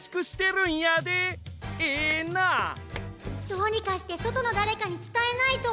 どうにかしてそとのだれかにつたえないと！